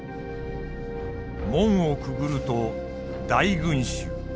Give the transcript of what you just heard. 門をくぐると大群衆。